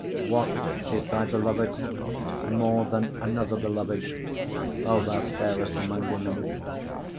5:9 What is thy beloved more than another beloved, O thou fairest among women?